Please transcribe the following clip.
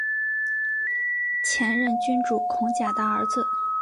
前任君主孔甲的儿子。